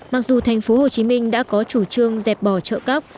mặc dù tp hcm đã có chủ trương dẹp bỏ chợ cốc